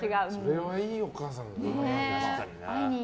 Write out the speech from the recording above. それはいいお母さんだな。